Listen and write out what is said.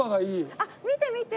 あっ見て見て！